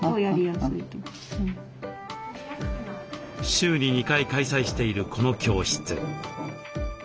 週に２回開催しているこの教室。